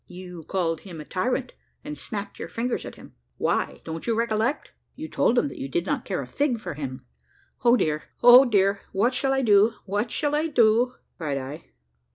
You called him a tyrant, and snapped your fingers at him. Why, don't you recollect? You told him that you did not care a fig for him." "O dear! O dear! what shall I do? what shall I do?" cried I.